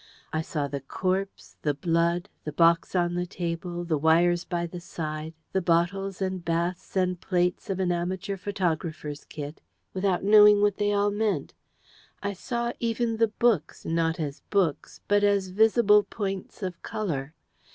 I saw the corpse, the blood, the box on the table, the wires by the side, the bottles and baths and plates of an amateur photographer's kit, without knowing what they all meant. I saw even the books not as books but as visible points of colour.